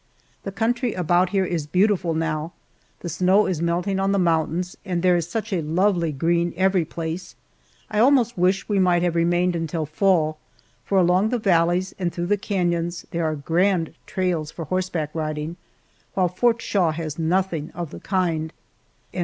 The country about here is beautiful now; the snow is melting on the mountains, and there is such a lovely green every place, I almost wish that we might have remained until fall, for along the valleys and through the canons there are grand trails for horseback riding, while Fort Shaw has nothing of the kind.